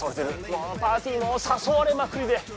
もうパーティーもさそわれまくりで。